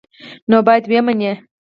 نو باید ویې مني.